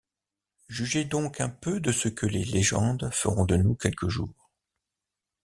Jugez donc un peu de ce que les légendes feront de nous quelque jour.